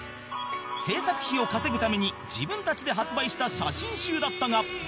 制作費を稼ぐために自分たちで発売した写真集だったが